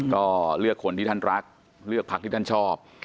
ก็เลือกคนที่ท่านรักเลือกพักที่ท่านชอบ